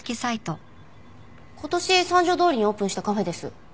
今年三条通にオープンしたカフェです。